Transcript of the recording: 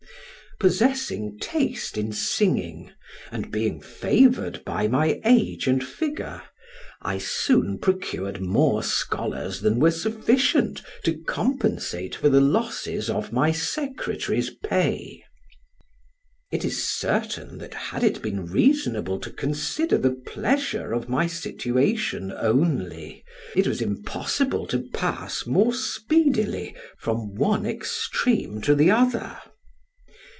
Possessing taste in singing, and being favored by my age and figure, I soon procured more scholars than were sufficient to compensate for the losses of my secretary's pay. It is certain, that had it been reasonable to consider the pleasure of my situation only, it was impossible to pass more speedily from one extreme to the other.